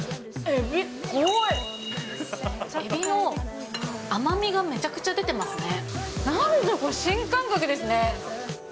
エビの甘みがめちゃくちゃ出てますね。